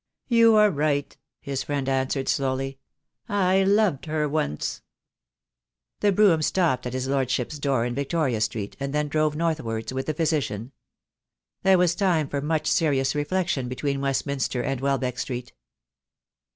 "You are right," his friend answered slowly. "I loved her once." The brougham stopped at his lordship's door in Victoria Street, and then drove northwards with the physician. There was time for mush serious reflection between Westminster and Welbeck Street.